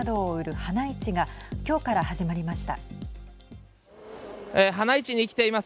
花市に来ています。